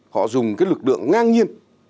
họ dùng cái lực lượng ngang nhiên